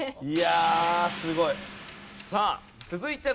いやあすごい。